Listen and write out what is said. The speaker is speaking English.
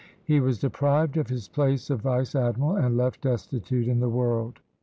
He was deprived of his place of vice admiral, and left destitute in the world.